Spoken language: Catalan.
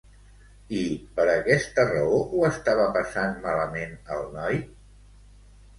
I per aquesta raó ho estava passant malament el noi?